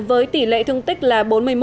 với tỷ lệ thương tích là bốn mươi một